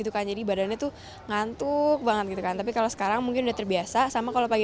kalau bagian terburuknya itu makan pagi